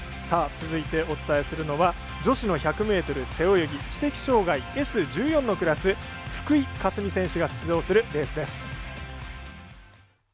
続いて、お伝えするのは女子の１００ｍ背泳ぎ知的障がいＳ１４のクラス福井香澄選手が出場するレースです。